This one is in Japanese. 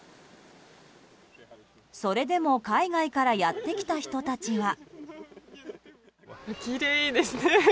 それでも海外からやってきた人たちは。